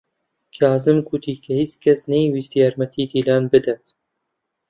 کازم گوتی کە هیچ کەس نەیویست یارمەتیی دیلان بدات.